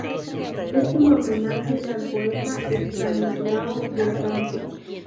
Es un homenaje al poeta Estanislao del Campo.